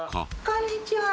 こんにちは。